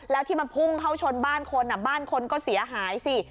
แล้วที่มันพุ่งเข้าชนบ้านคนบ้านคนก็เสียหายสิ